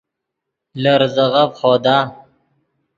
لے ریزے غف خودا